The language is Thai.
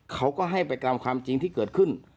เขาก็ให้ไปตามความจริงที่เกิดขึ้น